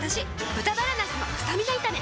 「豚バラなすのスタミナ炒め」